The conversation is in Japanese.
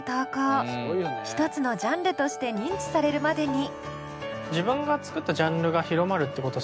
一つのジャンルとして認知されるまでに。